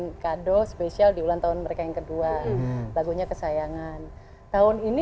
pulang jadi memberikan kado spesial diulang tahun mereka yang kedua lagunya kesayangan tahun ini